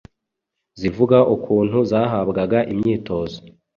zivuga ukuntu zahabwaga imyitozo